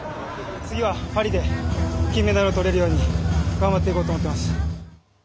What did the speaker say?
次はパリで金メダルを取れるように頑張っていこうと思っています。